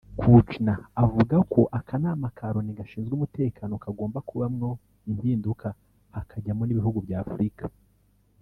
Kouchner avuga ko Akanama ka Loni gashinzwe umutekano kagomba kubamo impinduka hakajyamo n’ibihugu by’Afurika